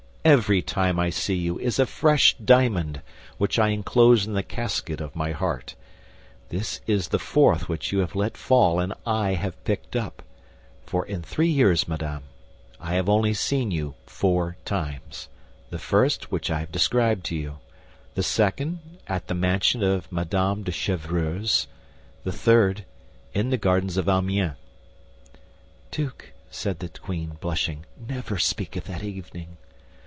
Every time I see you is a fresh diamond which I enclose in the casket of my heart. This is the fourth which you have let fall and I have picked up; for in three years, madame, I have only seen you four times—the first, which I have described to you; the second, at the mansion of Madame de Chevreuse; the third, in the gardens of Amiens." "Duke," said the queen, blushing, "never speak of that evening."